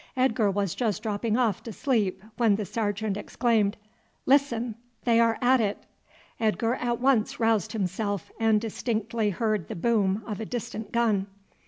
Edgar was just dropping off to sleep, when the sergeant exclaimed, "Listen! they are at it." Edgar at once roused himself, and distinctly heard the boom of a distant gun.